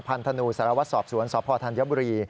พันธนูสารวัตรสอบสวนสพธัญบุรี